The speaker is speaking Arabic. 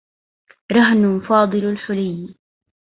رهن فاضل الحليّ.